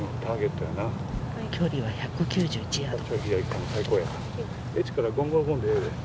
距離は１９１ヤード。